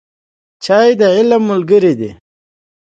چای د علم ملګری دی